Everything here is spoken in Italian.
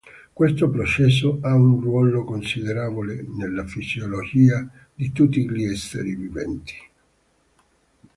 Questo processo ha un ruolo considerevole nella fisiologia di tutti gli esseri viventi.